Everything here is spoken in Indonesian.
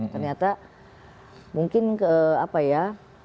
ternyata mungkin ke apa ya